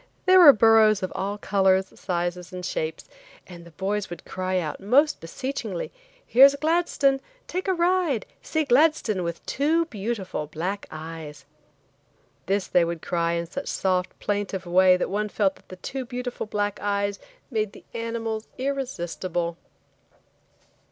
There were burros of all colors, sizes and shapes, and the boys would cry out, most beseechingly, "Here's Gladstone! Take a ride; see Gladstone with two beautiful black eyes." This they would cry in such a soft plaintive way that one felt the "two beautiful black eyes" made the animals irresistible.